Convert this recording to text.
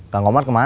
kang omar kemana